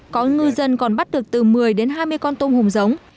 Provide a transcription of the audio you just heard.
có ngư dân còn bắt được từ một mươi đến hai mươi con tôm hùm giống